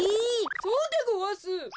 そうでごわす。